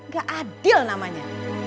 gak adil namanya